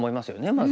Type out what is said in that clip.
まず。